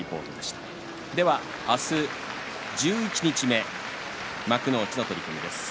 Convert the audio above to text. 明日、十一日目、幕内の取組です。